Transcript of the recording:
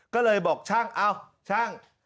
ก็เลยบอกช่างเอ้าช่าง